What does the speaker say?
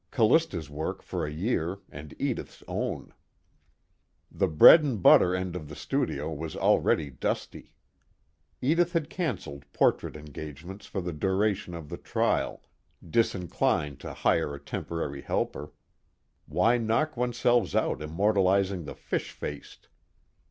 Callista's work for a year, and Edith's own. The bread and butter end of the studio was already dusty. Edith had canceled portrait engagements for the duration of the trial, disinclined to hire a temporary helper: why knock oneself out immortalizing the fish faced?